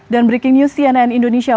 dan breaking news cnn indonesia